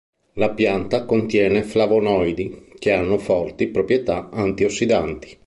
La pianta contiene flavonoidi, che hanno forti proprietà anti-ossidanti.